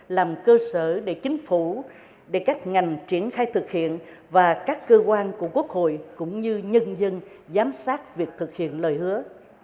làm cơ sở để chính phủ để các ngành triển khai thực hiện và các cơ quan của quốc hội cũng như nhân dân giám sát việc thực hiện lời hứa